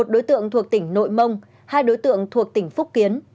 một đối tượng thuộc tỉnh nội mông hai đối tượng thuộc tỉnh phúc kiến